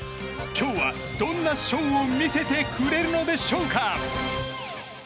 今日はどんなショーを見せてくれるのでしょうか。